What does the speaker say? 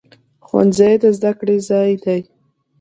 ښوونځی د زده کړې ځای دی